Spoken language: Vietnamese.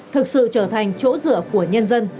thực sự trở thành chỗ dựa của nhân dân